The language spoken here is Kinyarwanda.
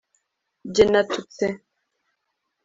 Jye natutse